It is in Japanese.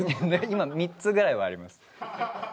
今３つぐらいはあります。